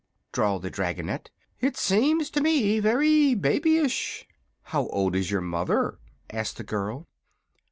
drawled the dragonette; "it seems to me very babyish." "How old is your mother?" asked the girl.